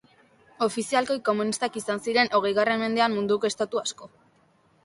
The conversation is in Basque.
Ofizialki komunistak izan ziren, hogeigarren mendean, munduko estatu asko.